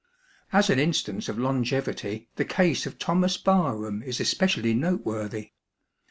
As an instance of longevity, the case of Thomas Barham is especially noteworthy.